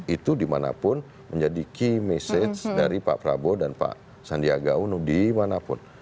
itu dimanapun menjadi key message dari pak prabowo dan pak sandiaga uno dimanapun